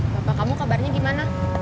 bapak kamu kabarnya gimana